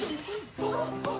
あっ！